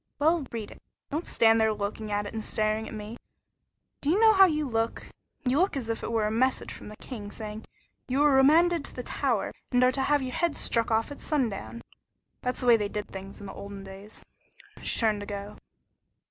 "Well, read it. Don't stand there looking at it and staring at me. Do you know how you look? You look as if it were a message from the king, saying: 'You are remanded to the tower, and are to have your head struck off at sundown.' That's the way they did things in the olden days." She turned to go.